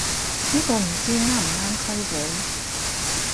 呢個唔知啱唔啱規矩